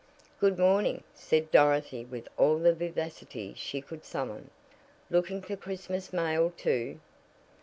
"Good morning," said Dorothy with all the vivacity she could summon. "Looking for Christmas mail too?"